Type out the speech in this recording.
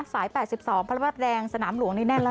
สาย๘๒พระวัดแดงสนามหลวงนี่แน่นแล้ว